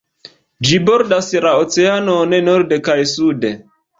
Ĝi bordas la oceanon norde kaj sude.